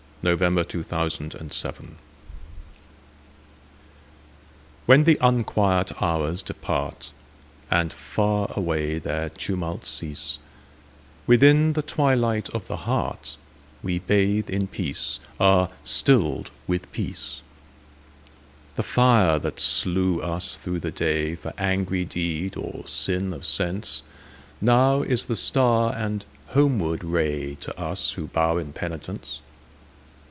1918. 134. The Hour of Twilight WHEN the unquiet hours departAnd far away their tumults cease, Within the twilight of the heartWe bathe in peace, are stilled with peace. The fire that slew us through the dayFor angry deed or sin of senseNow is the star and homeward rayTo us who bow in penitence.